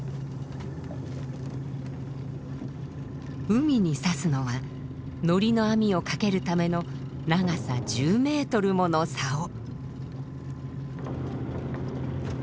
海にさすのはのりの網を掛けるための長さ１０メートルものさお。